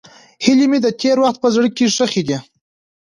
هیلې مې د تېر وخت په زړه کې ښخې دي.